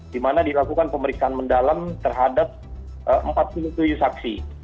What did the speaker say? di mana dilakukan pemeriksaan mendalam terhadap empat puluh tujuh saksi